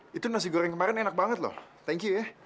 itu nasi goreng kemarin enak banget loh thank you ya